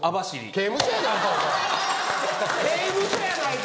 刑務所やないか！